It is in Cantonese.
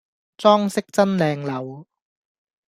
裝飾真靚溜